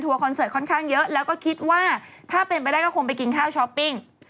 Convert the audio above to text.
คอนเสิร์ตค่อนข้างเยอะแล้วก็คิดว่าถ้าเป็นไปได้ก็คงไปกินข้าวช้อปปิ้ง